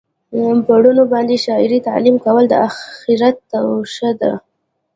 په لوڼو باندي شرعي تعلیم کول د آخرت توښه ده